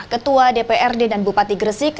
ketua dprd dan bupati gresik